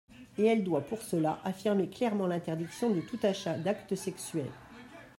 Et elle doit pour cela affirmer clairement l’interdiction de tout achat d’acte sexuel.